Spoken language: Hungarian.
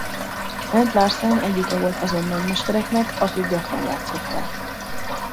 Bent Larsen egyike volt azon nagymestereknek akik gyakran játszották.